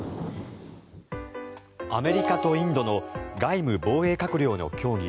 アメリカとインドの外務・防衛閣僚の協議